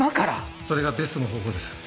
それがベストの方法です。